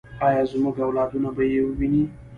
آیا زموږ اولادونه به یې وویني؟